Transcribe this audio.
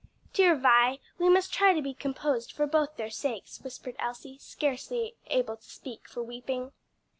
"Dear Vi, we must try to be composed for both their sakes," whispered Elsie, scarcely able to speak for weeping.